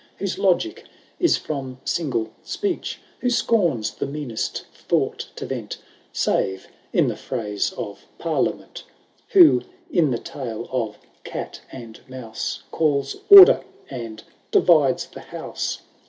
Whose logic is from Single speech ;* Who scorns the meanest thought to rent. Save in the phrase of Parliament ; Who, in a tale of cat and mouse, Calls order, and divides the house.